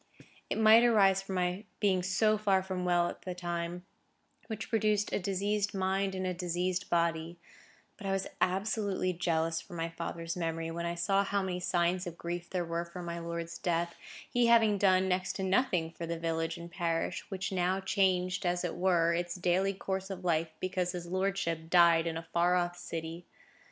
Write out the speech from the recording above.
It might arise from my being so far from well at the time, which produced a diseased mind in a diseased body; but I was absolutely jealous for my father's memory, when I saw how many signs of grief there were for my lord's death, he having done next to nothing for the village and parish, which now changed, as it were, its daily course of life, because his lordship died in a far off city.